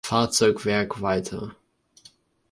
Fahrzeugwerk" weiter.